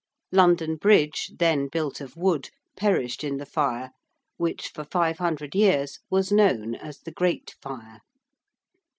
London Bridge, then built of wood, perished in the fire, which for five hundred years was known as the Great Fire.